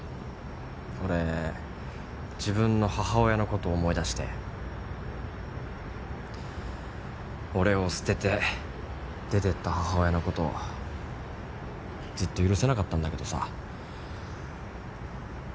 俺自分の母親のこと思い出して俺を捨てて出てった母親のことをずっと許せなかったんだけどさ